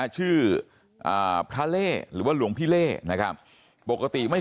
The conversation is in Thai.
ชื่อพระเล่หรือว่าลวงพิเล่นะครับ